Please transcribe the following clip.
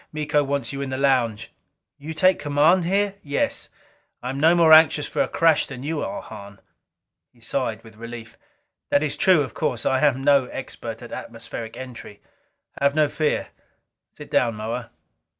"Miko wants you in the lounge." "You take command here?" "Yes. I am no more anxious for a crash than you are, Hahn." He sighed with relief. "That is true, of course. I am no expert at atmospheric entry." "Have no fear. Sit down, Moa."